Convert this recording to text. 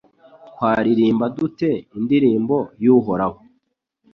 Twaririmba dute indirimbo y’Uhoraho